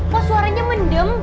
kok suaranya mendem